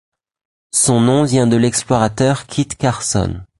Son nom vient de l'explorateur Kit Carson.